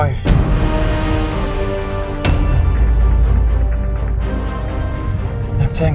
dan saya gak boleh mencintai kamu nin